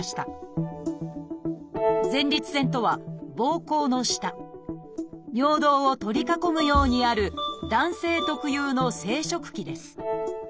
「前立腺」とはぼうこうの下尿道を取り囲むようにある男性特有の生殖器です